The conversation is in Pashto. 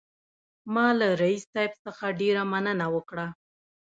ما له رییس صاحب څخه ډېره مننه وکړه.